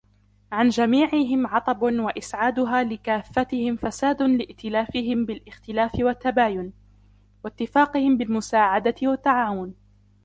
عَنْ جَمِيعِهِمْ عَطَبٌ وَإِسْعَادُهَا لِكَافَّتِهِمْ فَسَادٌ لِائْتِلَافِهِمْ بِالِاخْتِلَافِ وَالتَّبَايُنِ ، وَاتِّفَاقِهِمْ بِالْمُسَاعَدَةِ وَالتَّعَاوُنِ